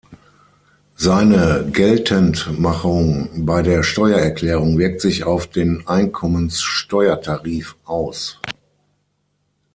Seine Geltendmachung bei der Steuererklärung wirkt sich auf den Einkommensteuertarif aus.